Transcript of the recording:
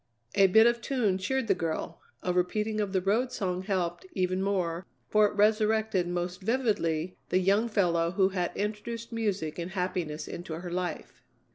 A bit of tune cheered the girl; a repeating of the Road Song helped even more, for it resurrected most vividly the young fellow who had introduced music and happiness into her life.